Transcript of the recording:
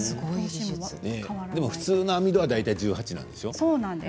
でも普通の網戸は大体１８なんでしょう。